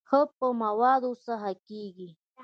ښه په موادو څه کېږي.